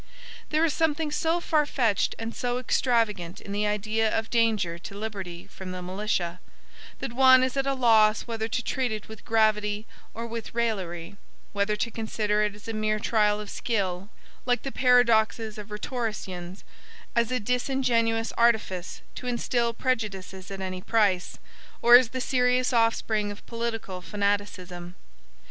There is something so far fetched and so extravagant in the idea of danger to liberty from the militia, that one is at a loss whether to treat it with gravity or with raillery; whether to consider it as a mere trial of skill, like the paradoxes of rhetoricians; as a disingenuous artifice to instil prejudices at any price; or as the serious offspring of political fanaticism.